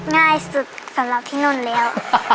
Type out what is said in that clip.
ง่ายสุดสำหรับที่นู่นแล้ว